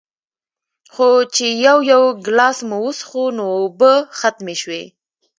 خو چې يو يو ګلاس مو وڅښو نو اوبۀ ختمې شوې